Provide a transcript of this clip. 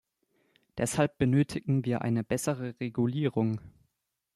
Deshalb benötigen wir eine bessere Regulierung.